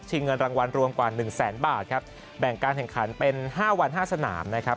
ทีเงินรางวัลรวมกว่า๑๐๐๐๐๐บาทครับแบ่งการแข่งขันเป็น๕วัน๕สนามนะครับ